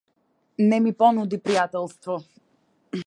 Не ми понуди пријателство.